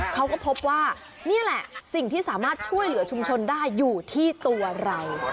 เขาก็พบว่านี่แหละสิ่งที่สามารถช่วยเหลือชุมชนได้อยู่ที่ตัวเรา